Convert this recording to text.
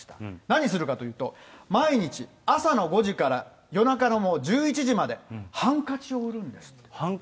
何するかというと、毎日、朝の５時から夜中の１１時まで、ハンカチを売る？